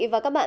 và các bạn